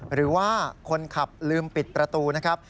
หรือว่าคนขับลืมปิดประตูนะครับ